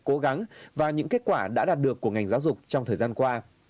cố gắng và những kết quả đã đạt được của ngành giáo dục trong thời gian qua